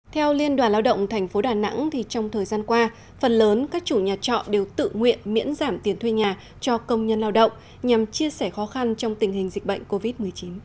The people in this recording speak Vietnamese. theo liên đoàn lao động tp đà nẵng trong thời gian qua phần lớn các chủ nhà trọ đều tự nguyện miễn giảm tiền thuê nhà cho công nhân lao động nhằm chia sẻ khó khăn trong tình hình dịch bệnh covid một mươi chín